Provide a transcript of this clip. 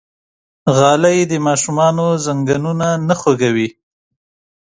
غالۍ د ماشومانو زنګونونه نه خوږوي.